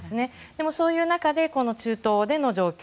でも、そういう中でこの中東での状況。